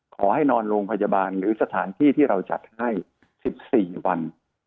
ขอให้นอนโรงพยาบาลหรือสถานที่ที่เราจัดให้๑๔วัน